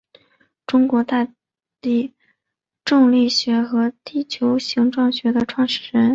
中国大地重力学和地球形状学的创始人。